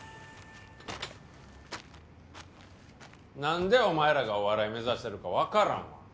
なんでお前らがお笑い目指してるかわからん。